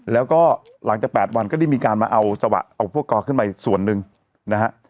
แล้วก็หลังจาก๘วันก็ได้มีการมาเอาสวะเอาพวกกอขึ้นไปส่วนหนึ่งนะฮะ